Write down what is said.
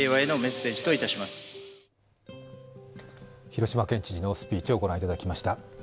広島県知事のスピーチを御覧いただきました。